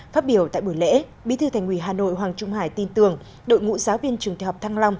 phát biểu tại buổi lễ bí thư thành ủy hà nội hoàng trung hải tin tưởng đội ngũ giáo viên trường đại học thăng long